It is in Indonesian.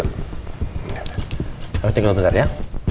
aku cek lo bentar ya